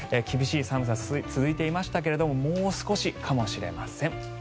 厳しい寒さ、続いていましたがもう少しかもしれません。